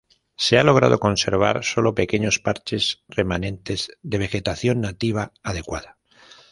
Se ha logrado conservar sólo pequeños parches remanentes de vegetación nativa adecuada.